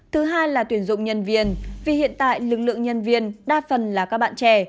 thứ hai là tuyển dụng nhân viên vì hiện tại lực lượng nhân viên đa phần là các bạn trẻ